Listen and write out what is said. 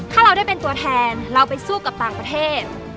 ถ้าเราได้เป็นตัวแทนเราไปสู้กับต่างประเทศ